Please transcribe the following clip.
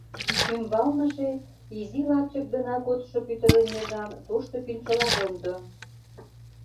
Ӱмбалныже — изи лапчык гына кодшо пӱтырем межан тошто кӱнчылавондо.